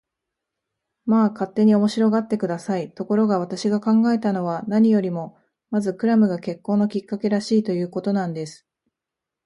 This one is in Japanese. まあ、勝手に面白がって下さい。ところが、私が考えたのは、何よりもまずクラムが結婚のきっかけらしい、ということなんです。